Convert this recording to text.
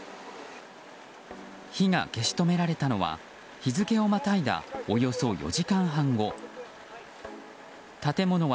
火が消し止められたのは日付をまたいだおよそ４時間半後。